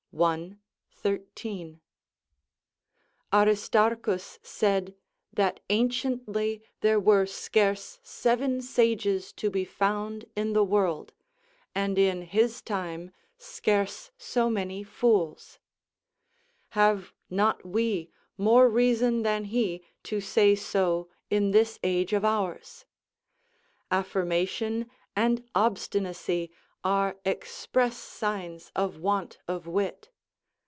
13.] Aristarchus said that anciently there were scarce seven sages to be found in the world, and in his time scarce so many fools: have not we more reason than he to say so in this age of ours? Affirmation and obstinacy are express signs of want of wit.